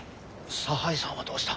差配さんはどうした？